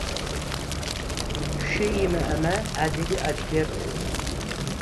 Шы имыӏэмэ адыг – адыгэп.